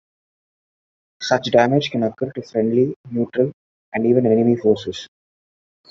Such damage can occur to friendly, neutral, and even enemy forces.